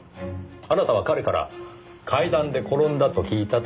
あなたは彼から階段で転んだと聞いたとおっしゃいました。